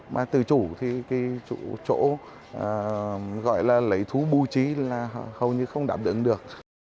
mà tự chủ thì cái chỗ gọi là lấy thú bưu trí là hầu như không đảm đứng được